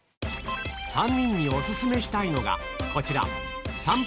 ３人にお薦めしたいのがこちら